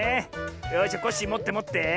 よしじゃコッシーもってもって。